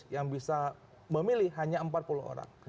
yang bisa memilih hanya empat puluh orang